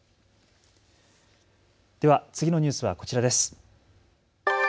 では次のニュースはこちらです。